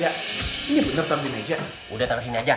ya ini bener taruh di meja udah taruh di sini aja